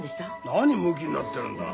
何むきになってるんだ。